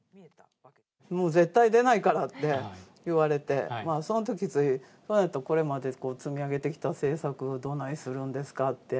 もう絶対出ないからって言われて、そのとき、それやったらそれまで積み上げてきた政策をどないするんですかって。